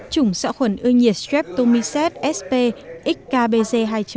chủng xạo khuẩn ưa nhiệt streptomyces sp xkbz hai một